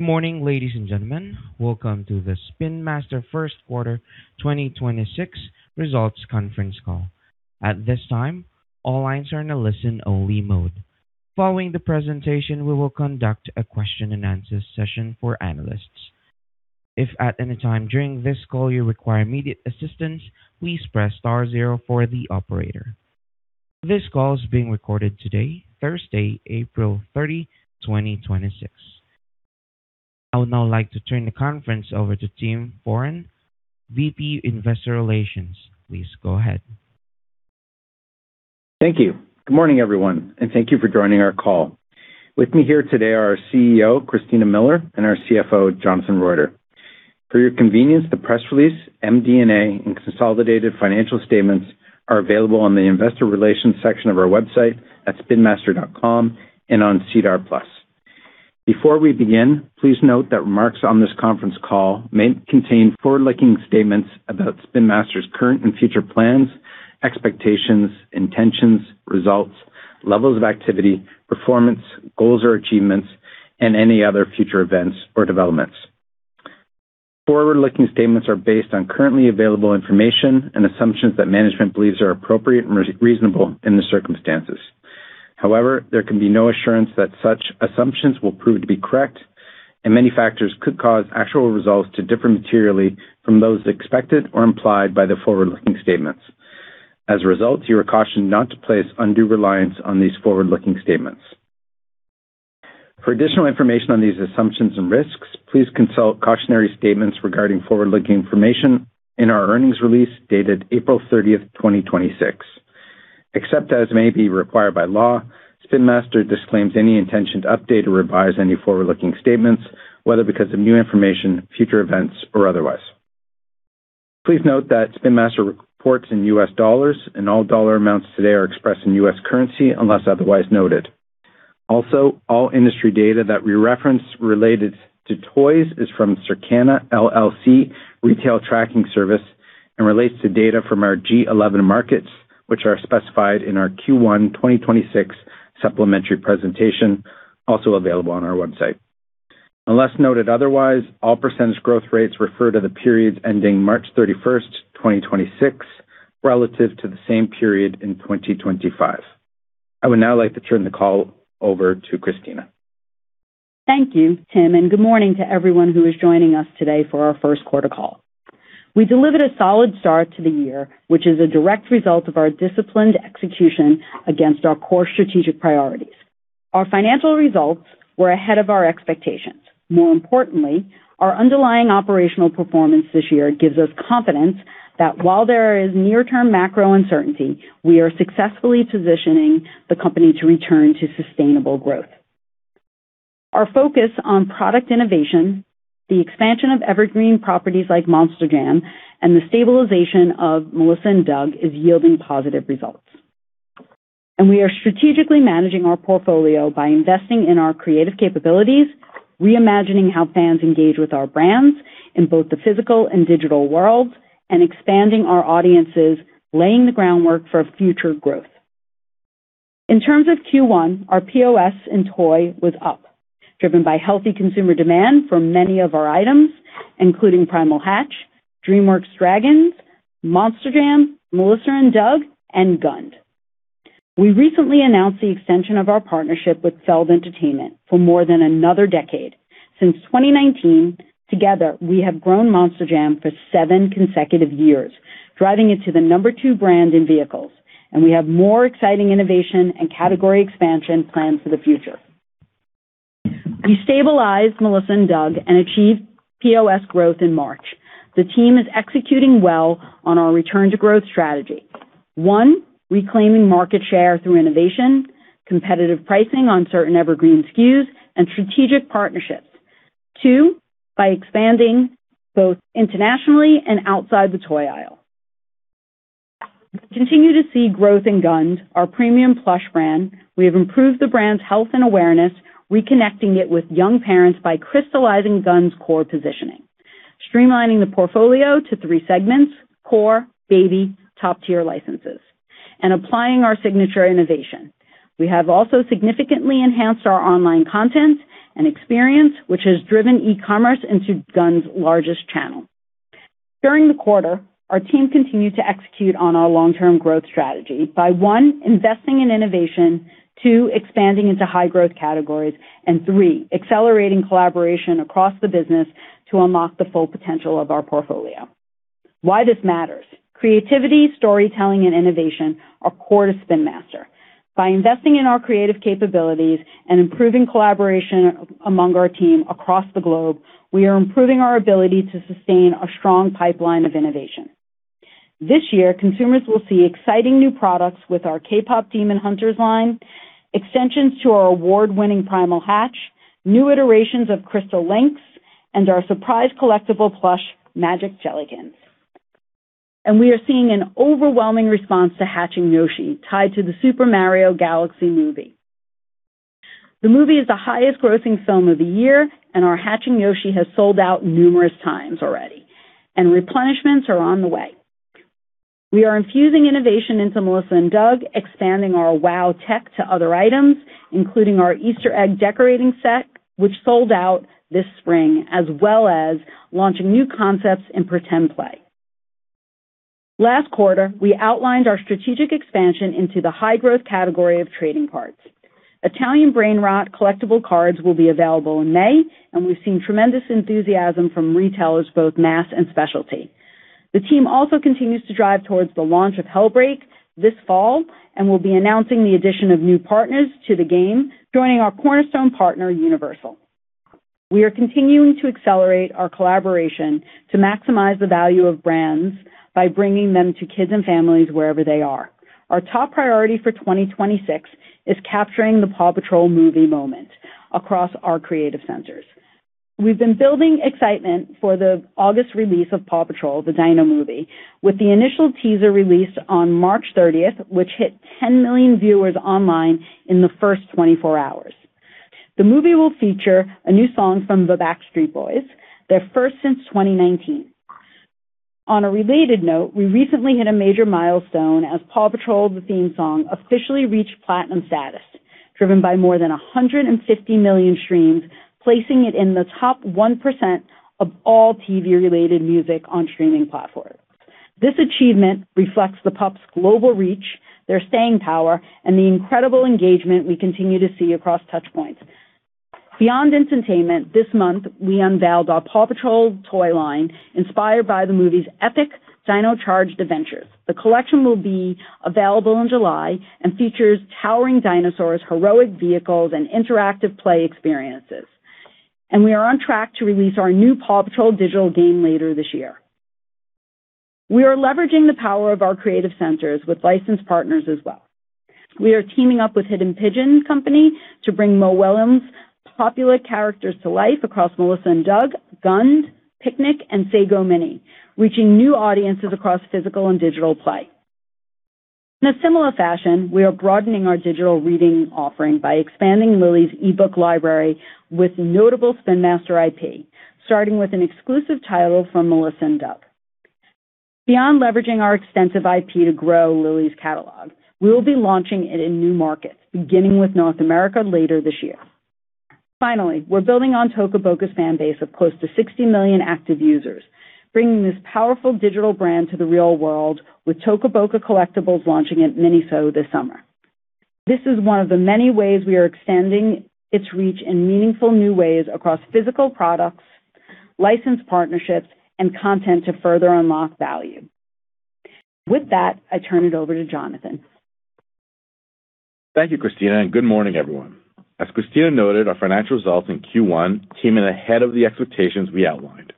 Good morning, ladies and gentlemen. Welcome to the Spin Master first quarter 2026 results conference call. At this time, all lines are in a listen-only mode. Following the presentation, we will conduct a question and answer session for analysts. If at any time during this call you require immediate assistance, please press star zero for the operator. This call is being recorded today, Thursday, April 30, 2026. I would now like to turn the conference over to Tim Foran, VP, Investor Relations. Please go ahead. Thank you. Good morning, everyone, and thank you for joining our call. With me here today are our CEO, Christina Miller, and our CFO, Jonathan Roiter. For your convenience, the press release, MD&A, and consolidated financial statements are available on the investor relations section of our website at spinmaster.com and on SEDAR+. Before we begin, please note that remarks on this conference call may contain forward-looking statements about Spin Master's current and future plans, expectations, intentions, results, levels of activity, performance, goals or achievements, and any other future events or developments. Forward-looking statements are based on currently available information and assumptions that management believes are appropriate and reasonable in the circumstances. However, there can be no assurance that such assumptions will prove to be correct, and many factors could cause actual results to differ materially from those expected or implied by the forward-looking statements. As a result, you are cautioned not to place undue reliance on these forward-looking statements. For additional information on these assumptions and risks, please consult cautionary statements regarding forward-looking information in our earnings release dated April 30, 2026. Except as may be required by law, Spin Master disclaims any intention to update or revise any forward-looking statements, whether because of new information, future events, or otherwise. Please note that Spin Master reports in U.S. dollars and all dollar amounts today are expressed in U.S. currency unless otherwise noted. Also, all industry data that we reference related to toys is from Circana, LLC Retail Tracking Service and relates to data from our G11 markets, which are specified in our Q1 2026 supplementary presentation, also available on our website. Unless noted otherwise, all percentage growth rates refer to the period ending March 31st, 2026, relative to the same period in 2025. I would now like to turn the call over to Christina. Thank you, Tim. Good morning to everyone who is joining us today for our first quarter call. We delivered a solid start to the year, which is a direct result of our disciplined execution against our core strategic priorities. Our financial results were ahead of our expectations. More importantly, our underlying operational performance this year gives us confidence that while there is near-term macro uncertainty, we are successfully positioning the company to return to sustainable growth. Our focus on product innovation, the expansion of evergreen properties like Monster Jam, and the stabilization of Melissa & Doug is yielding positive results. We are strategically managing our portfolio by investing in our creative capabilities, reimagining how fans engage with our brands in both the physical and digital worlds, and expanding our audiences, laying the groundwork for future growth. In terms of Q1, our POS in toy was up, driven by healthy consumer demand for many of our items, including Primal Hatch, DreamWorks' Dragons, Monster Jam, Melissa & Doug, and GUND. We recently announced the extension of our partnership with Feld Entertainment for more than another decade. Since 2019, together, we have grown Monster Jam for seven consecutive years, driving it to the number 2 brand in vehicles, and we have more exciting innovation and category expansion planned for the future. We stabilized Melissa & Doug and achieved POS growth in March. The team is executing well on our return to growth strategy. One, reclaiming market share through innovation, competitive pricing on certain evergreen SKUs, and strategic partnerships. Two, by expanding both internationally and outside the toy aisle. We continue to see growth in GUND, our premium plush brand. We have improved the brand's health and awareness, reconnecting it with young parents by crystallizing GUND's core positioning, streamlining the portfolio to three segments: core, baby, top tier licenses, and applying our signature innovation. We have also significantly enhanced our online content and experience, which has driven e-commerce into GUND's largest channel. During the quarter, our team continued to execute on our long-term growth strategy by, one, investing in innovation, two, expanding into high-growth categories, and three, accelerating collaboration across the business to unlock the full potential of our portfolio. Why this matters? Creativity, storytelling, and innovation are core to Spin Master. By investing in our creative capabilities and improving collaboration among our team across the globe, we are improving our ability to sustain a strong pipeline of innovation. This year, consumers will see exciting new products with our K-pop Demon Hunters line, extensions to our award-winning Primal Hatch, new iterations of Crystal Links, and our surprise collectible plush, Magic Jellykans. We are seeing an overwhelming response to Hatchimals Yoshi, tied to the Super Mario Galaxy movie. The movie is the highest grossing film of the year. Our Hatchimals Yoshi has sold out numerous times already. Replenishments are on the way. We are infusing innovation into Melissa & Doug, expanding our wow tech to other items, including our Easter egg decorating set, which sold out this spring, as well as launching new concepts in pretend play. Last quarter, we outlined our strategic expansion into the high-growth category of trading cards. Italian Brainrot collectible cards will be available in May. We've seen tremendous enthusiasm from retailers, both mass and specialty. The team also continues to drive towards the launch of Hellbreak this fall and will be announcing the addition of new partners to the game, joining our cornerstone partner, Universal. We are continuing to accelerate our collaboration to maximize the value of brands by bringing them to kids and families wherever they are. Our top priority for 2026 is capturing the PAW Patrol movie moment across our creative centers. We've been building excitement for the August release of PAW Patrol: The Dino Movie, with the initial teaser released on March 30th, which hit 10 million viewers online in the first 24 hours. The movie will feature a new song from the Backstreet Boys, their first since 2019. On a related note, we recently hit a major milestone as PAW Patrol, the theme song, officially reached platinum status, driven by more than 150 million streams, placing it in the top 1% of all TV-related music on streaming platforms. This achievement reflects the pups' global reach, their staying power, and the incredible engagement we continue to see across touch points. Beyond instantainment, this month we unveiled our PAW Patrol toy line inspired by the movie's epic dino-charged adventures. The collection will be available in July and features towering dinosaurs, heroic vehicles, and interactive play experiences. We are on track to release our new PAW Patrol digital game later this year. We are leveraging the power of our creative centers with licensed partners as well. We are teaming up with Hidden Pigeon Company to bring Mo Willems' popular characters to life across Melissa & Doug, GUND, Piknik, and Sago Mini, reaching new audiences across physical and digital play. In a similar fashion, we are broadening our digital reading offering by expanding Lily's e-book library with notable Spin Master IP, starting with an exclusive title from Melissa & Doug. Beyond leveraging our extensive IP to grow Lily's catalog, we'll be launching it in new markets, beginning with North America later this year. Finally, we're building on Toca Boca's fan base of close to 60 million active users, bringing this powerful digital brand to the real world with Toca Boca Collectibles launching at MINISO this summer. This is one of the many ways we are extending its reach in meaningful new ways across physical products, licensed partnerships, and content to further unlock value. With that, I turn it over to Jonathan. Thank you, Christina, and good morning, everyone. As Christina noted, our financial results in Q1 came in ahead of the expectations we outlined.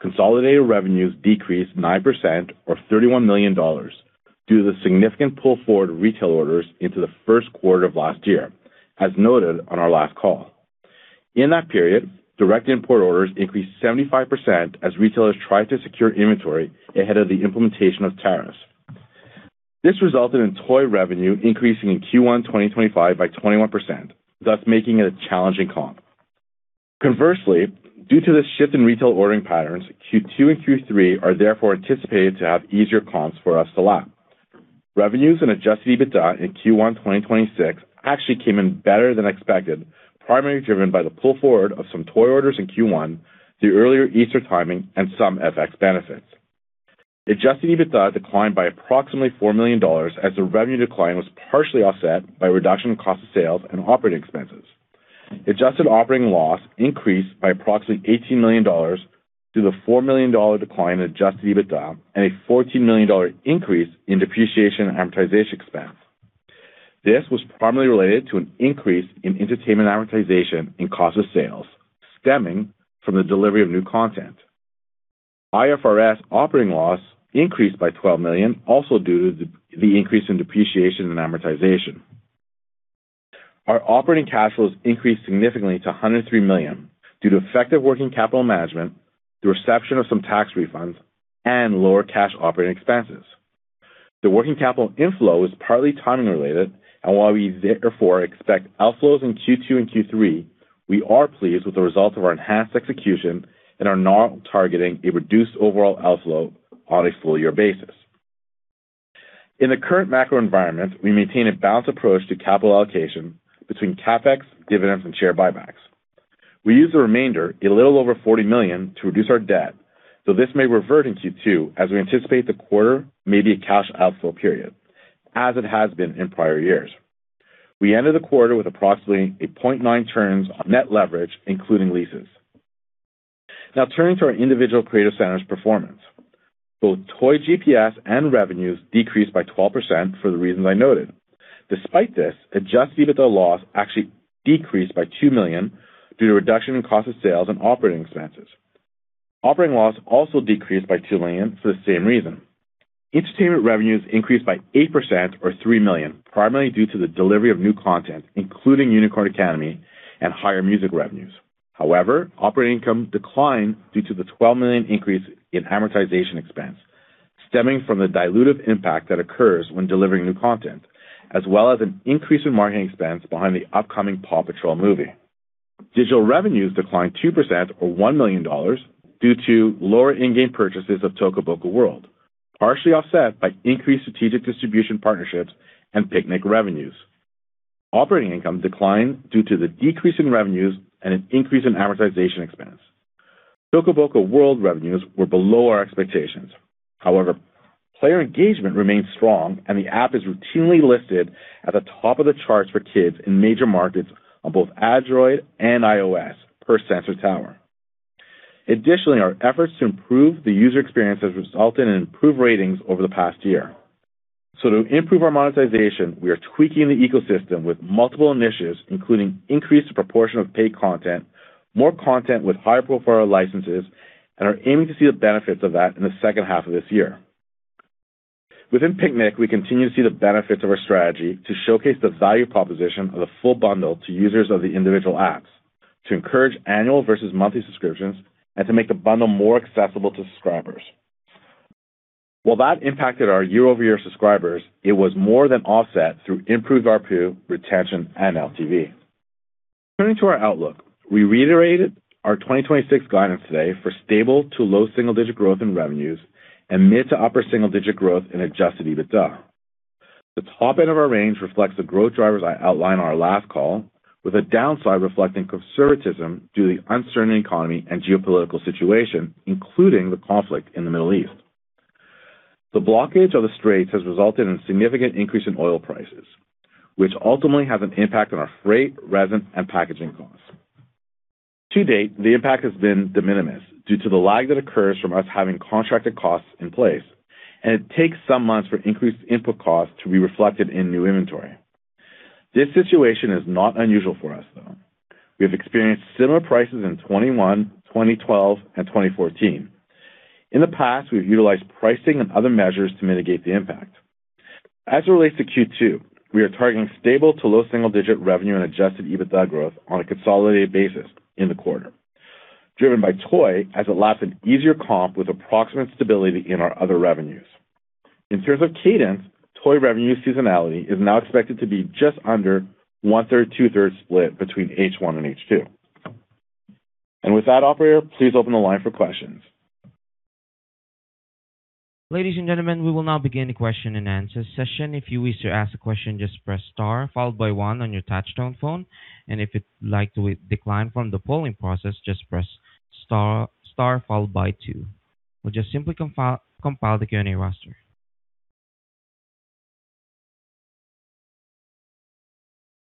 Consolidated revenues decreased 9% or $31 million due to the significant pull forward retail orders into Q1 of last year, as noted on our last call. In that period, direct import orders increased 75% as retailers tried to secure inventory ahead of the implementation of tariffs. This resulted in toy revenue increasing in Q1 2025 by 21%, thus making it a challenging comp. Conversely, due to the shift in retail ordering patterns, Q2 and Q3 are therefore anticipated to have easier comps for us to lap. Revenues and adjusted EBITDA in Q1 2026 actually came in better than expected, primarily driven by the pull forward of some toy orders in Q1 through earlier Easter timing and some FX benefits. Adjusted EBITDA declined by approximately $4 million as the revenue decline was partially offset by a reduction in cost of sales and operating expenses. Adjusted operating loss increased by approximately $18 million due to the $4 million decline in adjusted EBITDA and a $14 million increase in depreciation and amortization expense. This was primarily related to an increase in entertainment amortization and cost of sales stemming from the delivery of new content. IFRS operating loss increased by $12 million also due to the increase in depreciation and amortization. Our operating cash flows increased significantly to $103 million due to effective working capital management, the reception of some tax refunds, and lower cash operating expenses. The working capital inflow is partly timing related and while we therefore expect outflows in Q2 and Q3, we are pleased with the result of our enhanced execution and are now targeting a reduced overall outflow on a full year basis. In the current macro environment, we maintain a balanced approach to capital allocation between CapEx, dividends, and share buybacks. We use the remainder, a little over $40 million, to reduce our debt, so this may revert in Q2 as we anticipate the quarter may be a cash outflow period, as it has been in prior years. We ended the quarter with approximately 0.9 terms on net leverage, including leases. Now turning to our individual creative centers performance. Both toy GPS and revenues decreased by 12% for the reasons I noted. Despite this, adjusted EBITDA loss actually decreased by $2 million due to reduction in cost of sales and operating expenses. Operating loss also decreased by $2 million for the same reason. Entertainment revenues increased by 8% or $3 million, primarily due to the delivery of new content, including Unicorn Academy and higher music revenues. Operating income declined due to the $12 million increase in amortization expense stemming from the dilutive impact that occurs when delivering new content, as well as an increase in marketing expense behind the upcoming PAW Patrol movie. Digital revenues declined 2% or $1 million due to lower in-game purchases of Toca Boca World, partially offset by increased strategic distribution partnerships and Piknik revenues. Operating income declined due to the decrease in revenues and an increase in advertising expense. Toca Boca World revenues were below our expectations. Player engagement remains strong, and the app is routinely listed at the top of the charts for kids in major markets on both Android and iOS per Sensor Tower. Our efforts to improve the user experience has resulted in improved ratings over the past year. To improve our monetization, we are tweaking the ecosystem with multiple initiatives, including increase the proportion of paid content, more content with high profile licenses, and are aiming to see the benefits of that in the second half of this year. Within Piknik, we continue to see the benefits of our strategy to showcase the value proposition of the full bundle to users of the individual apps, to encourage annual versus monthly subscriptions, and to make the bundle more accessible to subscribers. While that impacted our year-over-year subscribers, it was more than offset through improved ARPU, retention and LTV. Turning to our outlook, we reiterated our 2026 guidance today for stable to low single-digit growth in revenues and mid to upper single-digit growth in adjusted EBITDA. The top end of our range reflects the growth drivers I outlined on our last call, with a downside reflecting conservatism due to the uncertain economy and geopolitical situation, including the conflict in the Middle East. The blockage of the straits has resulted in a significant increase in oil prices, which ultimately have an impact on our freight, resin and packaging costs. To date, the impact has been de minimis due to the lag that occurs from us having contracted costs in place, and it takes some months for increased input costs to be reflected in new inventory. This situation is not unusual for us, though. We have experienced similar prices in 2021, 2012 and 2014. In the past, we've utilized pricing and other measures to mitigate the impact. As it relates to Q2, we are targeting stable to low single-digit revenue and adjusted EBITDA growth on a consolidated basis in the quarter, driven by toy as it lacks an easier comp with approximate stability in our other revenues. In terms of cadence, toy revenue seasonality is now expected to be just under 1/3, 2/3 split between H1 and H2. With that, operator, please open the line for questions. Ladies and gentlemen, we will now begin the question and answer session. If you wish to ask a question, just press star followed by one on your touchtone phone. If you'd like to decline from the polling process, just press star followed by two. We'll just simply compile the Q and A roster.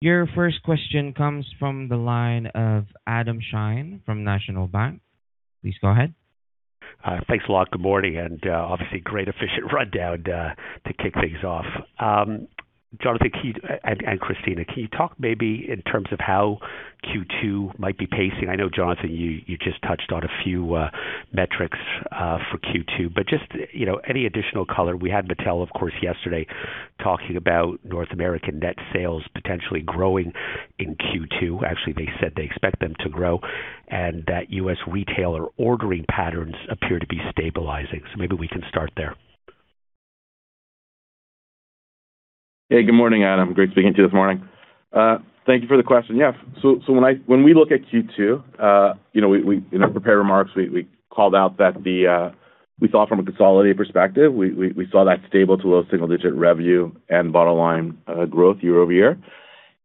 Your first question comes from the line of Adam Shine from National Bank. Please go ahead. Thanks a lot. Good morning, obviously great efficient rundown to kick things off. Jonathan, can you and Christina, can you talk maybe in terms of how Q2 might be pacing? I know, Jonathan, you just touched on a few metrics for Q2, but just, you know, any additional color. We had Mattel, of course, yesterday talking about North American net sales potentially growing in Q2. Actually, they said they expect them to grow and that U.S. retailer ordering patterns appear to be stabilizing. Maybe we can start there. Good morning, Adam. Great speaking to you this morning. Thank you for the question. When we look at Q2, you know, we, in our prepared remarks, we called out that the, we saw from a consolidated perspective, we saw that stable to low single digit revenue and bottom line growth year-over-year.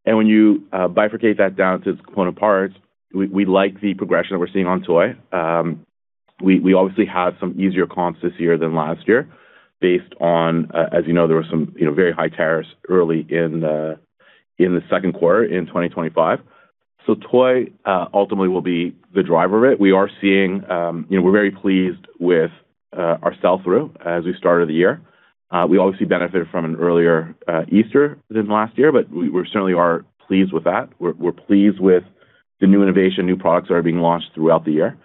When you bifurcate that down to its component parts, we like the progression that we're seeing on toy. We obviously have some easier comps this year than last year based on, as you know, there were some, you know, very high tariffs early in the second quarter in 2025. Toy ultimately will be the driver of it. We are seeing, you know, we're very pleased with our sell through as we started the year. We obviously benefited from an earlier Easter than last year, but we certainly are pleased with that. We're pleased with the new innovation, new products that are being launched throughout the year.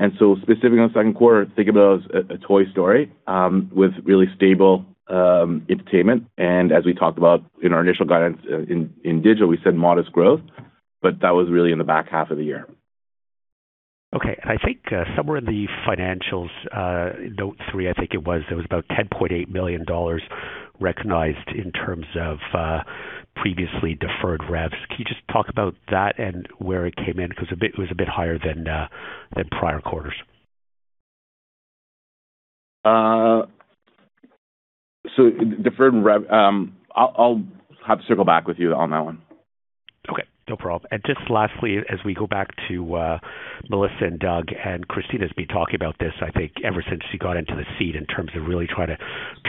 Specifically on the second quarter, think about a toy story with really stable entertainment. As we talked about in our initial guidance in digital, we said modest growth, but that was really in the back half of the year. Okay. I think somewhere in the financials, note three, it was about $10.8 million recognized in terms of previously deferred revs. Can you just talk about that and where it came in? It was a bit higher than prior quarters. I'll have to circle back with you on that one. Okay, no problem. Just lastly, as we go back to Melissa & Doug, and Christina's been talking about this, I think ever since she got into the seat in terms of really trying to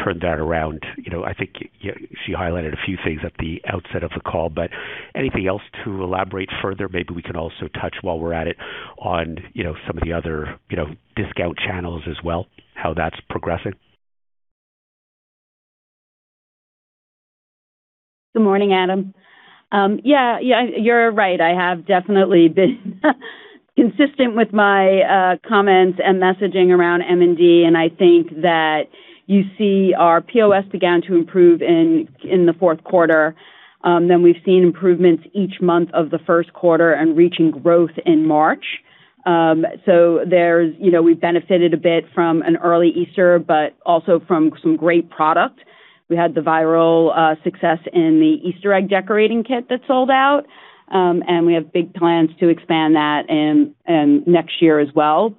turn that around. You know, I think she highlighted a few things at the outset of the call, but anything else to elaborate further? Maybe we can also touch while we're at it on, you know, some of the other, you know, discount channels as well, how that's progressing. Good morning, Adam. Yeah, you're right. I have definitely been consistent with my comments and messaging around M&D, and I think that you see our POS began to improve in the fourth quarter. We've seen improvements each month of the first quarter and reaching growth in March. You know, we've benefited a bit from an early Easter, but also from some great product. We had the viral success in the Easter egg decorating kit that sold out. We have big plans to expand that in next year as well.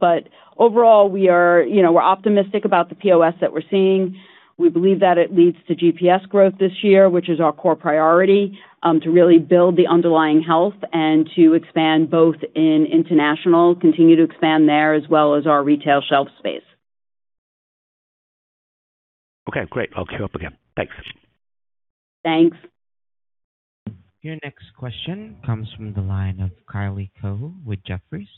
Overall, we are optimistic about the POS that we're seeing. We believe that it leads to GPS growth this year, which is our core priority, to really build the underlying health and to expand both in international, continue to expand there, as well as our retail shelf space. Okay, great. I'll queue up again. Thanks. Thanks. Your next question comes from the line of Kylie Cohu with Jefferies.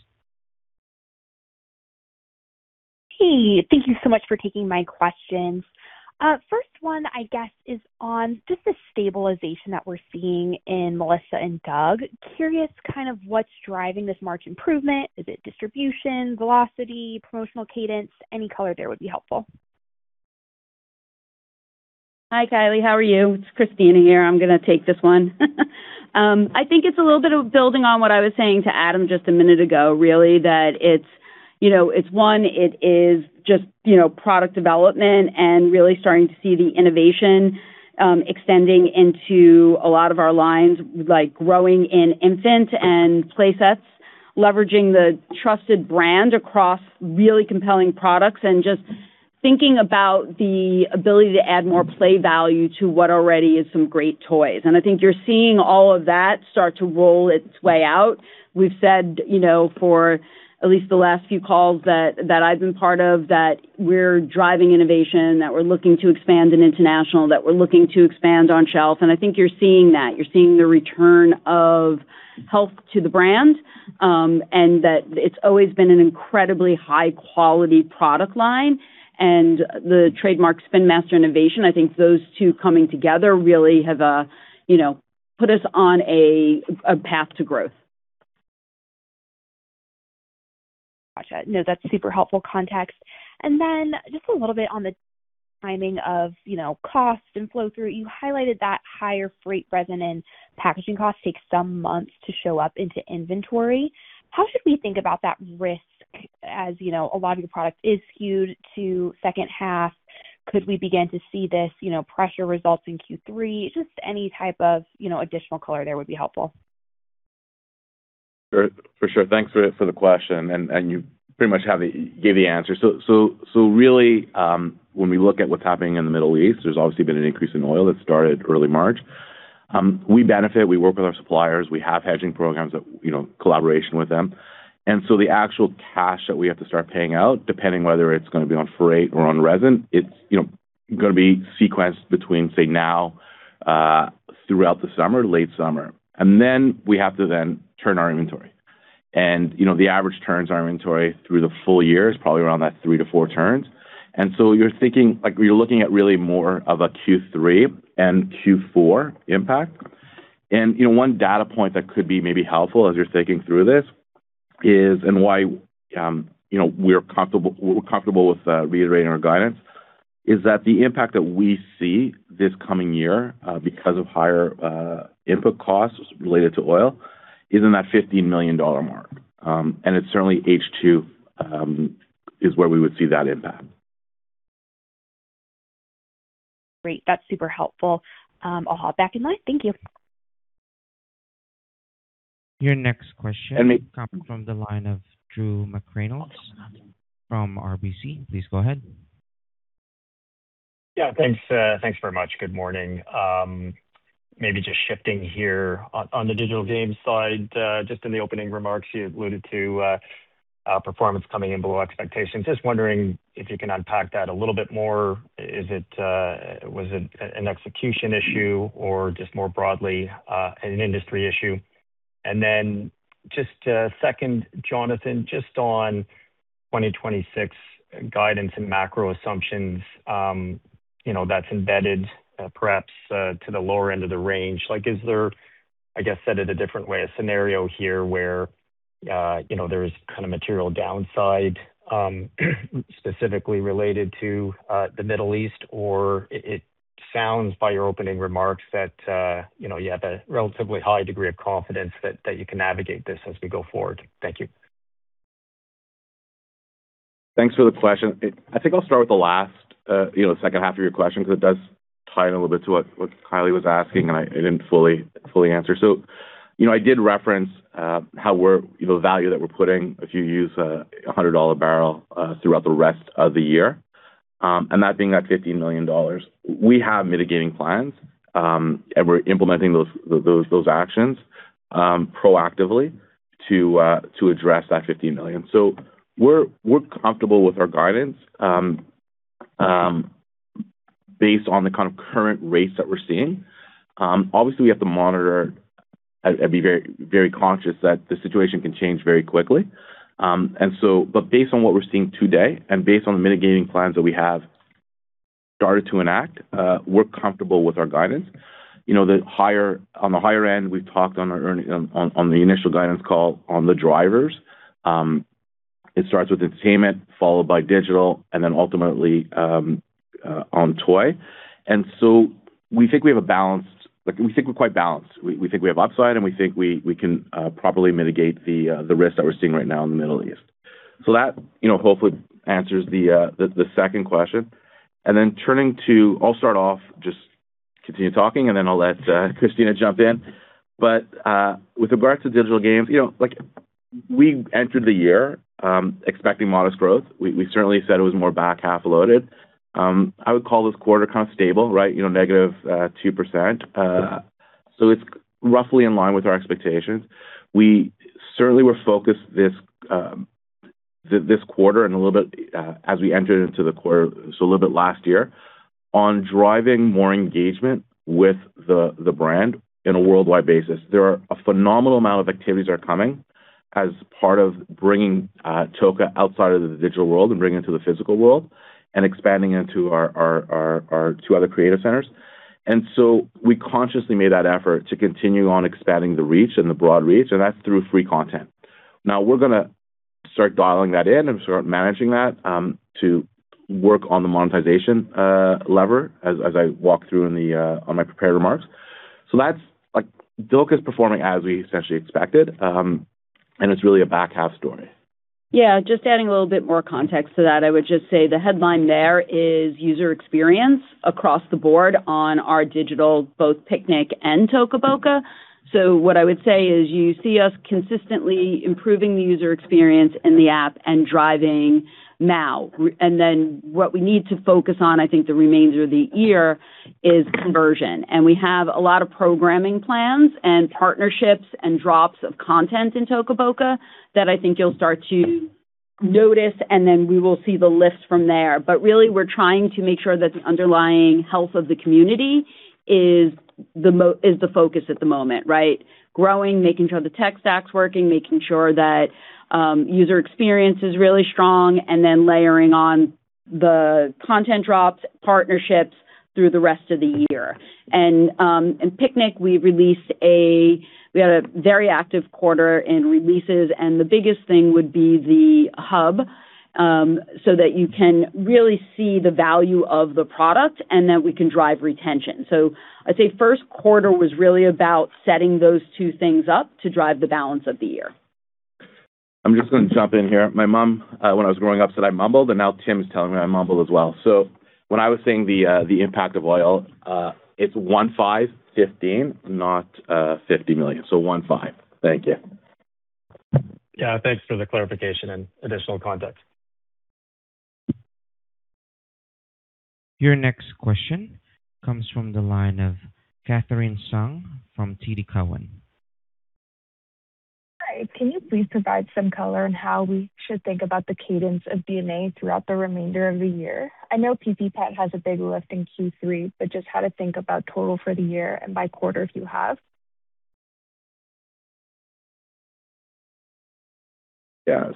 Hey, thank you so much for taking my questions. First one, I guess, is on just the stabilization that we're seeing in Melissa & Doug. Curious kind of what's driving this March improvement. Is it distribution, velocity, promotional cadence? Any color there would be helpful. Hi, Kylie. How are you? It's Christina here. I'm gonna take this one. I think it's a little bit of building on what I was saying to Adam just a minute ago, really, that it's, you know, it's one, it is just, you know, product development and really starting to see the innovation, extending into a lot of our lines, like growing in infant and play sets, leveraging the trusted brand across really compelling products and just thinking about the ability to add more play value to what already is some great toys. I think you're seeing all of that start to roll its way out. We've said, you know, for at least the last few calls that I've been part of, that we're driving innovation, that we're looking to expand in international, that we're looking to expand on shelf, and I think you're seeing that. You're seeing the return of health to the brand, and that it's always been an incredibly high quality product line. The trademark Spin Master innovation, I think those two coming together really have a, you know, put us on a path to growth. Gotcha. That's super helpful context. Just a little bit on the timing of, you know, cost and flow through. You highlighted that higher freight resin and packaging costs take some months to show up into inventory. How should we think about that risk as, you know, a lot of your product is skewed to second half? Could we begin to see this, you know, pressure results in Q3? Just any type of, you know, additional color there would be helpful. For sure. Thanks for the question. You pretty much gave the answer. Really, when we look at what's happening in the Middle East, there's obviously been an increase in oil that started early March. We benefit, we work with our suppliers, we have hedging programs that you know collaboration with them. The actual cash that we have to start paying out, depending whether it's gonna be on freight or on resin, it's you know gonna be sequenced between say now throughout the summer, late summer. We have to turn our inventory. You know, the average turns our inventory through the full year is probably around that three to four turns. You're thinking like you're looking at really more of a Q3 and Q4 impact. You know, one data point that could be maybe helpful as you're thinking through this is, and why you know, we're comfortable with reiterating our guidance, is that the impact that we see this coming year because of higher input costs related to oil is in that $15 million mark. It's certainly H2 is where we would see that impact. Great. That's super helpful. I'll hop back in line. Thank you. Your next question comes from the line of Drew McReynolds from RBC. Please go ahead. Yeah. Thanks, thanks very much. Good morning. Maybe just shifting here on the digital game side. Just in the opening remarks, you alluded to a performance coming in below expectations. Just wondering if you can unpack that a little bit more. Is it was it an execution issue or just more broadly an industry issue? And then just to second Jonathan, just on 2026 guidance and macro assumptions, you know, that's embedded perhaps to the lower end of the range. Like, is there, I guess, said it a different way, a scenario here where, you know, there's kind of material downside, specifically related to the Middle East, or it sounds by your opening remarks that, you know, you have a relatively high degree of confidence that you can navigate this as we go forward. Thank you. Thanks for the question. I think I'll start with the last, you know, second half of your question 'cause it does tie in a little bit to what Kylie was asking, and I didn't fully answer. You know, I did reference how we're you know value that we're putting if you use a $100 barrel throughout the rest of the year, and that being that $15 million. We have mitigating plans, and we're implementing those actions proactively to address that $15 million. We're comfortable with our guidance based on the kind of current rates that we're seeing. Obviously, we have to monitor and be very conscious that the situation can change very quickly. Based on what we're seeing today and based on the mitigating plans that we have started to enact, we're comfortable with our guidance. You know, on the higher end, we've talked on the initial guidance call on the drivers. It starts with entertainment, followed by digital and then ultimately on toys. We think we have a balanced, like, we think we're quite balanced. We think we have upside, and we think we can properly mitigate the risk that we're seeing right now in the Middle East. That, you know, hopefully answers the second question. Turning to, I'll start off just continue talking, and then I'll let Christina jump in. With regards to digital games, you know, like we entered the year expecting modest growth. We certainly said it was more back half loaded. I would call this quarter kind of stable, right? You know, negative 2%. It's roughly in line with our expectations. We certainly were focused this quarter and a little bit as we entered into the quarter, so a little bit last year, on driving more engagement with the brand on a worldwide basis. There are a phenomenal amount of activities that are coming as part of bringing Toca outside of the digital world and bringing it to the physical world and expanding into our two other creative centers. We consciously made that effort to continue on expanding the reach and the broad reach, and that's through free content. Now we're gonna start dialing that in and start managing that to work on the monetization lever as I walked through in the on my prepared remarks. That's like Toca is performing as we essentially expected, and it's really a back half story. Yeah, just adding a little bit more context to that. I would just say the headline there is user experience across the board on our digital, both Piknik and Toca Boca. What I would say is you see us consistently improving the user experience in the app and driving now, then what we need to focus on, I think the remainder of the year is conversion. We have a lot of programming plans and partnerships and drops of content in Toca Boca that I think you'll start to notice, and then we will see the lift from there. Really, we're trying to make sure that the underlying health of the community is the focus at the moment, right? Growing, making sure the tech stack's working, making sure that user experience is really strong, and then layering on the content drops, partnerships through the rest of the year. In Piknik, we had a very active quarter in releases, and the biggest thing would be the hub, so that you can really see the value of the product and that we can drive retention. I'd say first quarter was really about setting those two things up to drive the balance of the year. I'm just gonna jump in here. My mom, when I was growing up, said I mumbled, and now Tim is telling me I mumble as well. When I was saying the impact of oil, it's 15, not $50 million. 15. Thank you. Yeah, thanks for the clarification and additional context. Your next question comes from the line of Katherine Sung from TD Cowen. Hi. Can you please provide some color on how we should think about the cadence of D&A throughout the remainder of the year? I know PAW Patrol has a big lift in Q3, but just how to think about total for the year and by quarter if you have? Yeah.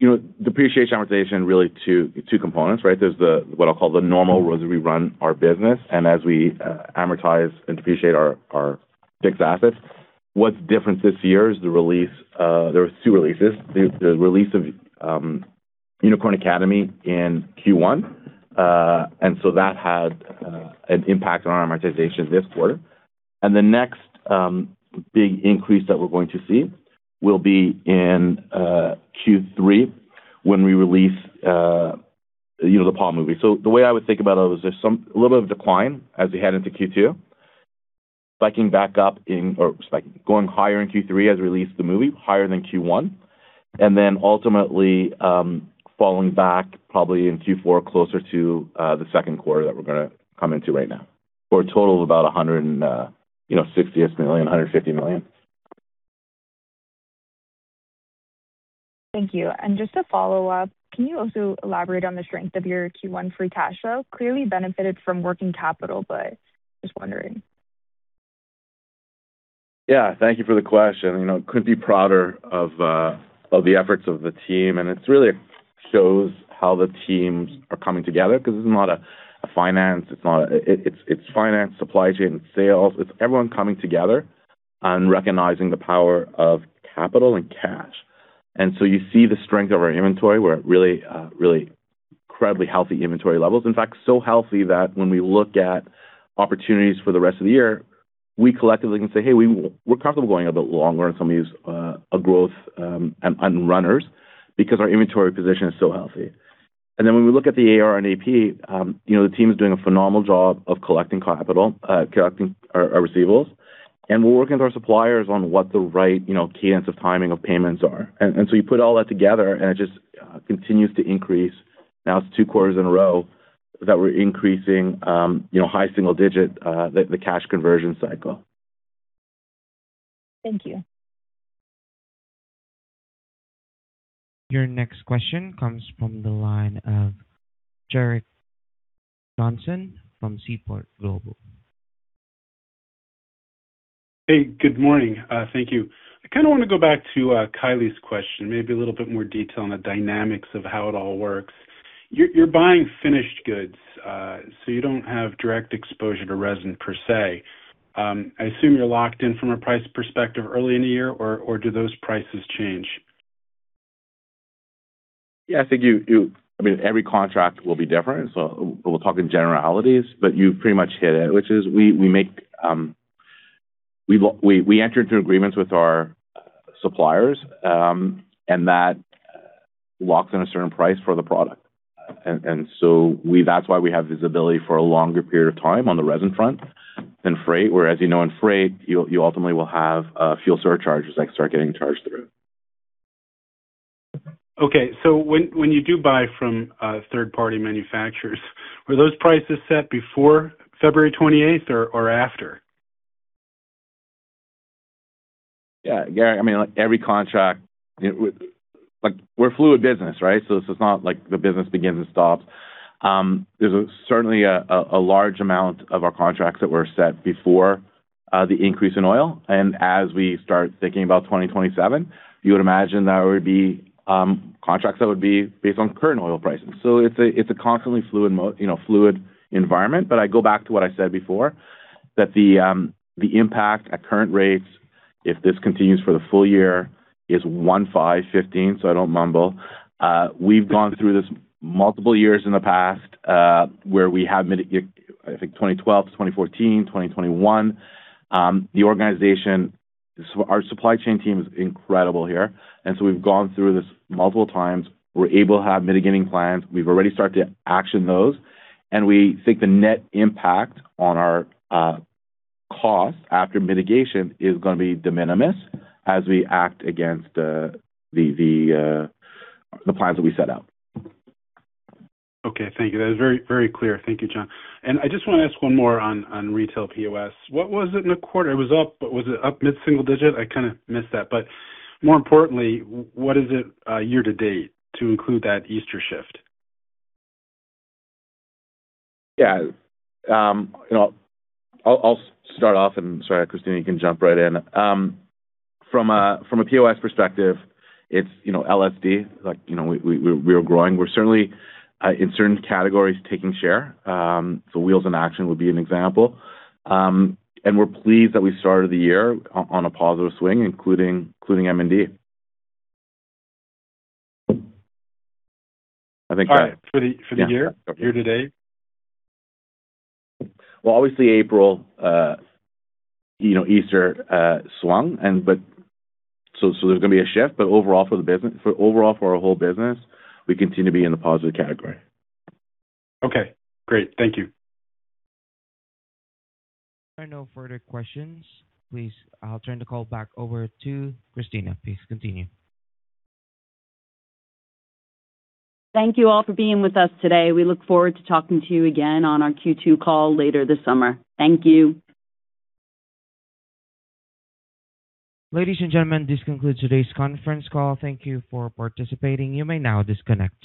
You know, depreciation and amortization really two components, right? There's the what I'll call the normal, whereas we run our business and as we amortize and depreciate our fixed assets. What's different this year is the release. There were two releases. The release of Unicorn Academy in Q1. That had an impact on our amortization this quarter. The next big increase that we're going to see will be in Q3 when we release the PAW movie. The way I would think about it, there's a little bit of decline as we head into Q2, spiking back up or going higher in Q3 as we release the movie, higher than Q1, and then ultimately falling back probably in Q4 closer to the second quarter that we're gonna come into right now for a total of about $160 million, $150 million. Thank you. Just to follow up, can you also elaborate on the strength of your Q1 free cash flow? Clearly benefited from working capital, but just wondering. Yeah. Thank you for the question. I couldn't be prouder of the efforts of the team, and it really shows how the teams are coming together because it's not finance, it's supply chain, it's sales. It's everyone coming together and recognizing the power of capital and cash. You see the strength of our inventory. We're at really incredibly healthy inventory levels. In fact, so healthy that when we look at opportunities for the rest of the year, we collectively can say, "Hey, we're comfortable going a bit longer on some of these growth and runners because our inventory position is so healthy." Then when we look at the AR and AP, you know, the team is doing a phenomenal job of collecting our receivables, and we're working with our suppliers on what the right cadence of timing of payments are. You put all that together, and it just continues to increase. Now it's two quarters in a row that we're increasing high single digit the cash conversion cycle. Thank you. Your next question comes from the line of Gerrick Johnson from Seaport Global. Hey, good morning. Thank you. I kinda wanna go back to Kylie's question, maybe a little bit more detail on the dynamics of how it all works. You're buying finished goods, so you don't have direct exposure to resin per se. I assume you're locked in from a price perspective early in the year or do those prices change? Yeah, I think every contract will be different, so we'll talk in generalities, but you pretty much hit it, which is we make. We enter into agreements with our suppliers, and that locks in a certain price for the product. So we—that's why we have visibility for a longer period of time on the resin front than freight. Whereas, you know, in freight, you ultimately will have fuel surcharges that start getting charged through. Okay. When you do buy from third-party manufacturers, were those prices set before February 28th or after? Yeah, Gerrick, I mean, every contract, you know, like we're a fluid business, right? This is not like the business begins and stops. There's certainly a large amount of our contracts that were set before the increase in oil. As we start thinking about 2027, you would imagine there would be contracts that would be based on current oil prices. It's a constantly fluid, you know, fluid environment. I go back to what I said before, that the impact at current rates, if this continues for the full year, is $15 million, so I don't worry. We've gone through this in multiple years in the past, where we have mitigation. I think 2012, 2014, 2021. The organization, our supply chain team is incredible here, and so we've gone through this multiple times. We're able to have mitigating plans. We've already started to action those, and we think the net impact on our cost after mitigation is gonna be de minimis as we act against the plans that we set out. Okay. Thank you. That was very, very clear. Thank you, Jonathan. I just wanna ask one more on retail POS. What was it in the quarter? It was up, but was it up mid-single digit? I kinda missed that. More importantly, what is it year to date to include that Easter shift? Yeah. I'll start off and sorry, Christina, you can jump right in. From a POS perspective, it's you know LSD, like you know we're growing. We're certainly in certain categories, taking share. So wheels in action would be an example. And we're pleased that we started the year on a positive swing, including M&D. I think- All right. For the year to date. Well, obviously April, you know, Easter swung, but there's gonna be a shift, but overall for our whole business, we continue to be in the positive category. Okay, great. Thank you. There are no further questions. Please, I'll turn the call back over to Christina. Please continue. Thank you all for being with us today. We look forward to talking to you again on our Q2 call later this summer. Thank you. Ladies and gentlemen, this concludes today's conference call. Thank you for participating. You may now disconnect.